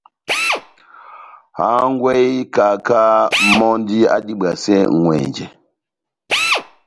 Hángwɛ wa ikaká mɔ́ndi adibwasɛ ŋʼwɛnjɛ.